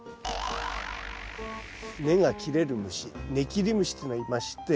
根が切れる虫ネキリムシっていうのがいまして。